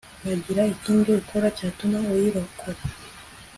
wagira ikindi ukora cyatuma uyirokora